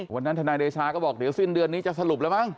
ทนายเดชาก็บอกเดี๋ยวสิ้นเดือนนี้จะสรุปแล้วมั้ง